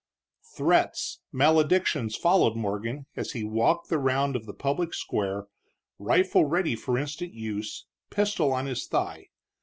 Threats, maledictions, followed Morgan as he walked the round of the public square, rifle ready for instant use, pistol on his thigh.